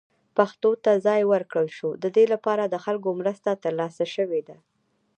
پښتو ته ځای ورکړل شو، د دې لپاره له خلکو مرسته ترلاسه شوې ده.